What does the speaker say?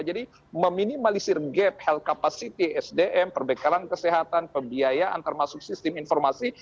jadi meminimalisir gap health kapasitas sdm perbekalan kesehatan pembiayaan termasuk sistem informasi